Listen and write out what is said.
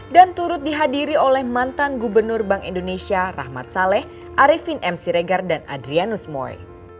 dan turut dihadiri oleh mantan gubernur bank indonesia rahmat saleh arifin m siregar dan adrianus moy